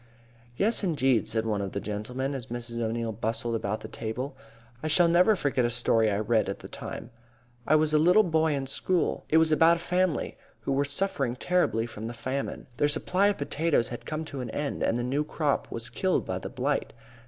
"Yes, indeed," said one of the gentlemen, as Mrs. O'Neil bustled about the table. "I shall never forget a story I read at the time. I was a little boy in school. It was about a family who were suffering terribly from the famine. Their supply of potatoes had come to an end and the new crop was killed by the blight.